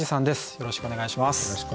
よろしくお願いします。